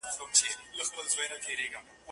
رقیب مي له شهبازه غزلونه تښتوي